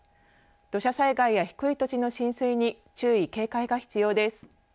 土砂災害や低い土地の浸水に注意、警戒が必要です。